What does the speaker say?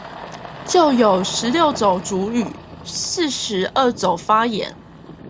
就有十六種族語、四十二種方言